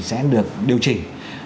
sẽ được điều chỉnh